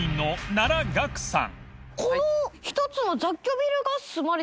奈良さん）